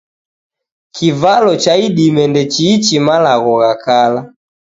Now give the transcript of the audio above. Kivalo cha idime ndechiichi malagho gha kala